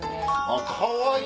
あっかわいい！